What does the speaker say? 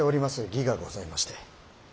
儀がございまして。